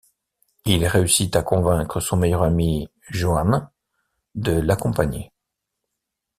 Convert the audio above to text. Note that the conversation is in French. Il réussit à convaincre son meilleur ami Johannes de l'accompagner.